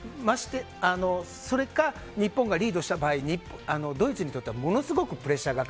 それか、日本がリードした場合ドイツにとってはものすごくプレッシャーが